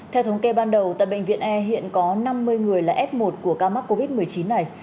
theo thống kê ban đầu tại bệnh viện e hiện có năm mươi người là f một của ca mắc covid một mươi chín này